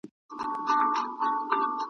دا پدې معنی ده، چي نور زامن هم پر ګران دي.